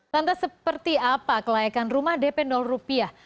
lantas seperti apa kelayakan rumah dp rupiah